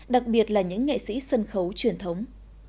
đặc biệt là những nghệ sĩ sân khấu truyền thống